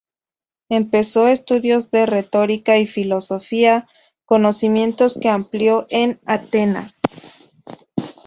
Empezó estudios de retórica y filosofía, conocimientos que amplió en Atenas.